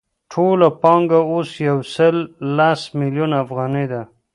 ټوله پانګه اوس یو سل لس میلیونه افغانۍ ده